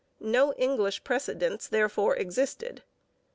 No English precedents therefore existed.